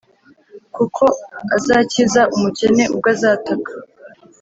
kuko azakiza umukene, ubwo azataka;